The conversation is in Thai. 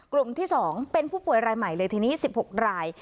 กลุ่มที่๒เป็นผู้ป่วยรายใหม่เลยทีนี้๑๖ราย